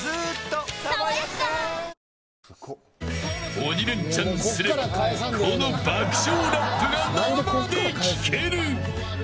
鬼レンチャンすればこの爆笑ラップが生で聞ける。